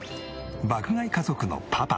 爆買い家族のパパ